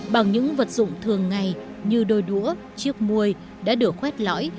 bằng những vật dụng thường ngày như đôi đũa chiếc muôi đã được khoét lõi